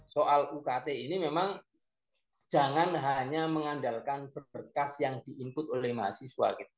soal ukt ini memang jangan hanya mengandalkan berkas yang di input oleh mahasiswa